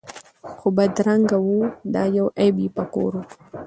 خو بدرنګه وو دا یو عیب یې په کور وو